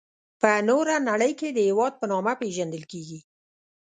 په نوره نړي کي د هیواد په نامه پيژندل کيږي.